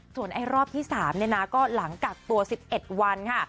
ส่วนรอบที่๓เนี่ยนะก็หลังกักตัว๑๑วันค่ะ